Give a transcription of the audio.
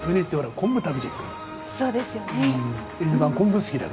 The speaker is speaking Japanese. そうですよね。